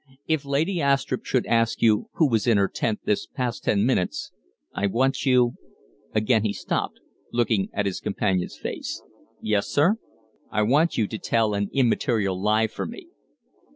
If Lady Astrupp should ask you who was in her tent this past ten minutes, I want you " Again he stopped, looking at his companion's face. "Yes, sir?" "I want you to tell an immaterial lie for me."